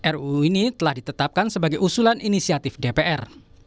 ruu ini telah ditetapkan sebagai usulan inisiatif dpr